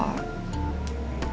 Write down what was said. ini randy kan